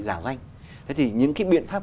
giả danh thế thì những cái biện pháp